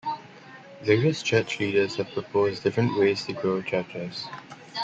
Various church leaders have proposed different ways to grow churches.